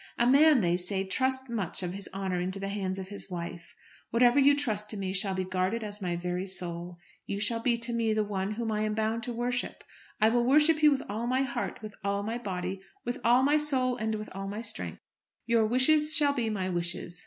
A man, they say, trusts much of his honour into the hands of his wife. Whatever you trust to me shall be guarded as my very soul. You shall be to me the one man whom I am bound to worship. I will worship you with all my heart, with all my body, with all my soul, and with all my strength. Your wishes shall be my wishes.